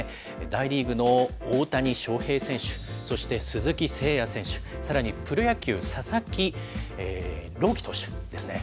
大リーグの大谷翔平選手、そして鈴木誠也選手、さらにプロ野球、佐々木朗希投手ですね。